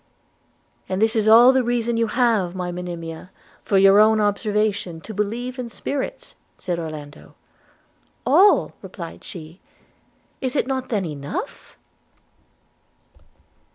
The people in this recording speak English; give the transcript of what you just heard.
'And this is all the reason you have, my Monimia, from your own observation, to believe in spirits?' said Orlando. 'All!' replied she, 'and is it not then enough?'